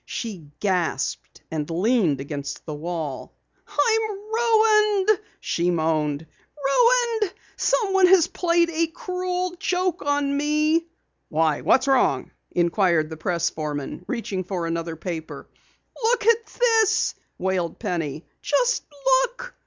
She gasped and leaned against the wall. "I'm ruined!" she moaned. "Ruined! Someone has played a cruel joke on me!" "Why, what's wrong?" inquired the press foreman, reaching for another paper. "Look at this," wailed Penny. "Just look!"